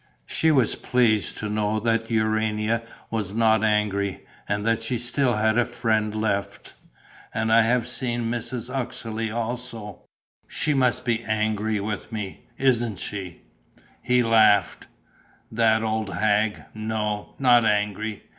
She was pleased to know that Urania was not angry and that she still had a friend left. "And I have seen Mrs. Uxeley also." "She must be angry with me, isn't she?" He laughed: "That old hag! No, not angry.